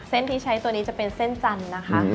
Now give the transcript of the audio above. ที่ใช้ตัวนี้จะเป็นเส้นจันทร์นะคะ